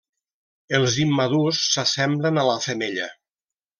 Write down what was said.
Els immadurs s'assemblen a la femella.